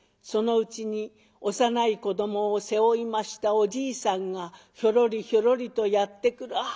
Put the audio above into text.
そのうちに幼い子どもを背負いましたおじいさんがひょろりひょろりとやって来る。